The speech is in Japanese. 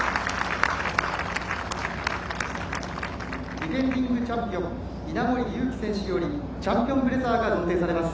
ディフェンディングチャンピオン稲森佑貴選手よりチャンピオンブレザーが贈呈されます。